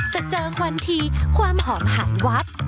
แต่เจอควันทีความหอมหันวัด